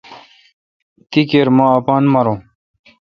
تی کیر مہ اپان ماروں۔